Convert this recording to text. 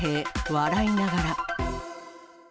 笑いながら。